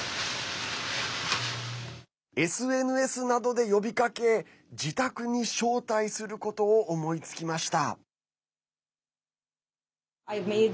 ＳＮＳなどで呼びかけ自宅に招待することを思いつきました。